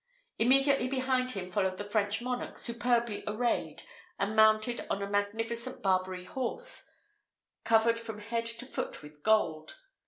Immediately behind him followed the French monarch superbly arrayed, and mounted on a magnificent Barbary horse, covered from head to foot with gold.